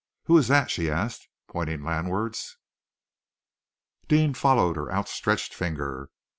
"Who is that?" she asked, pointing landwards. Deane followed her outstretched finger.